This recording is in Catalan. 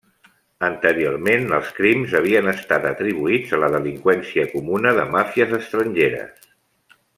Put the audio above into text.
Anteriorment, els crims havien estat atribuïts a la delinqüència comuna de màfies estrangeres.